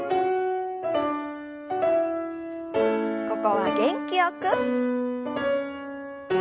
ここは元気よく。